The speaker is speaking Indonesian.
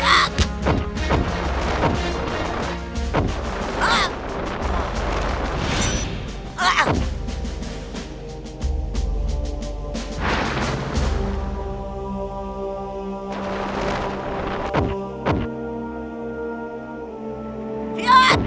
itu amat bodoh